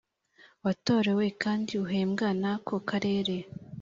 watorewemo kandi uhembwa n ako Karere